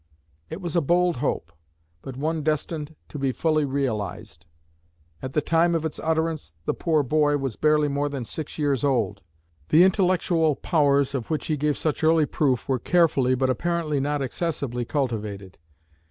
It was a bold hope, but one destined to be fully realized. At the time of its utterance, the "poor boy" was barely more than six years old. The intellectual powers of which he gave such early proof were carefully, but apparently not excessively, cultivated.